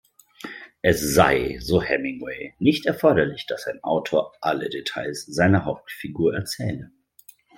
Es sei, so Hemingway, nicht erforderlich, dass ein Autor alle Details seiner Hauptfigur erzähle.